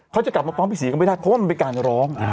เขาจะกลับมาพร้อมพี่ศรีก็ไม่ได้เพราะว่ามันเป็นการร้อง